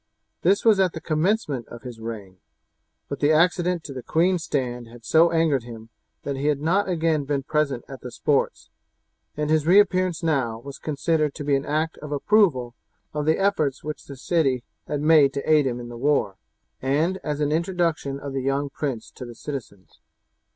This was at the commencement of his reign; but the accident to the queen's stand had so angered him that he had not again been present at the sports, and his reappearance now was considered to be an act of approval of the efforts which the city had made to aid him in the war, and as an introduction of the young prince to the citizens.